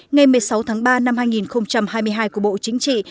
ngày một mươi sáu tháng ba năm hai nghìn hai mươi hai của bộ chính trị